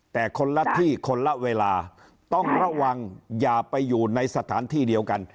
แต่คนละที่คนละเวลาต้องระวังอย่าไปอยู่ในสถานที่เดียวกัน